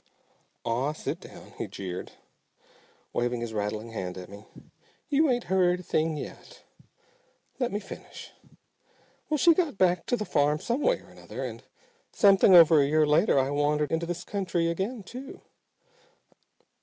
"Aw, sit down!" he jeered, waving his rattling hand at me. "You ain't heard a thing yet. Let me finish. Well, she got back to the farm some way or another, and something over a year later I wandered into this country again too.